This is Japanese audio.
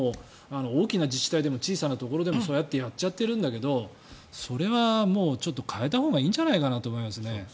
大きな自治体でも小さなところでもそうやってやっちゃってるんだけどそれはもう変えたほうがいいんじゃないかなと思います。